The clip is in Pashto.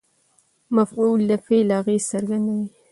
مفعول د فعل اغېز څرګندوي.